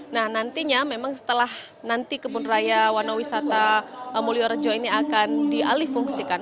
nah nantinya memang setelah nanti kebun raya warna wisata mulyorjo ini akan dialih fungsikan